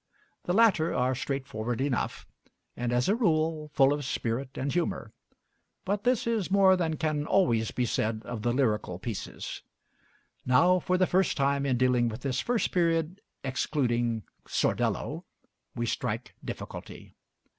The latter are straightforward enough, and as a rule full of spirit and humor; but this is more than can always be said of the lyrical pieces. Now, for the first time in dealing with this first period, excluding 'Sordello,' we strike difficulty.